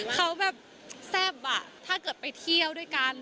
เขาแบบแซ่บอ่ะถ้าเกิดไปเที่ยวด้วยกัน